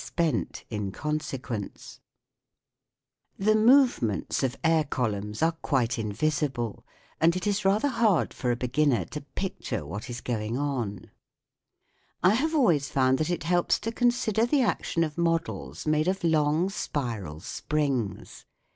THE WORLD OF SOUND The movements of air columns are quite in visible, and it is rather hard for a beginner to picture what is going on. I have always found that it helps to consider the action of models made of long spiral springs.